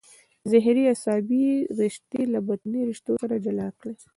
ظهري عصبي رشتې له بطني رشتو سره جلا کړئ.